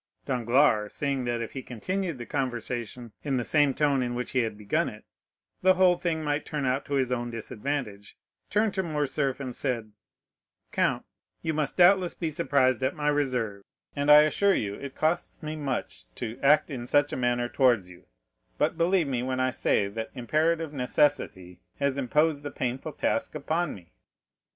Danglars, seeing that if he continued the conversation in the same tone in which he had begun it, the whole thing might turn out to his own disadvantage, turned to Morcerf, and said: "Count, you must doubtless be surprised at my reserve, and I assure you it costs me much to act in such a manner towards you; but, believe me when I say that imperative necessity has imposed the painful task upon me."